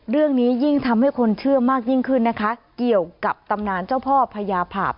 เรื่องนี้ยิ่งทำให้คนเชื่อมากยิ่งขึ้นนะคะเกี่ยวกับตำนานเจ้าพ่อพญาภาพ